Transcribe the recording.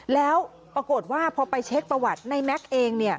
แล้วปรากฏว่าพอไปเช็คประวัติในแม็กซ์เอง